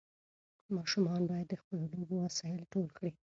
ماشومان باید د خپلو لوبو وسایل ټول کړي.